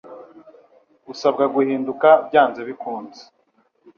Usabwa Guhinduka byanze bikunze –